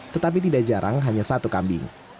tetapi tidak jarang hanya satu kambing